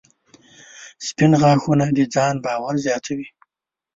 • سپین غاښونه د ځان باور زیاتوي.